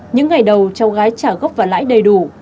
những ngày đầu cháu gái trả gốc và lãi đầy đủ